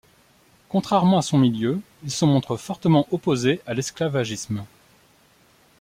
Contrairement à son milieu, il se montre fortement opposé à l'esclavagisme.